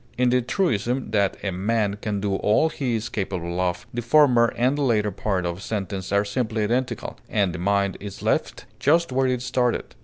In the truism that "a man can do all he is capable of," the former and the latter part of the sentence are simply identical, and the mind is left just where it started.